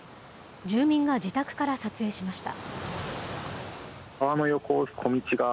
住民が自宅から撮影しました。